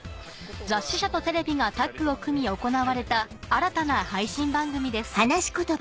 雑誌社とテレビがタッグを組み行われた新たな配信番組です